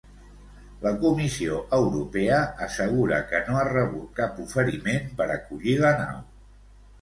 La Comissió Europea assegura que no ha rebut cap oferiment per acollir la nau.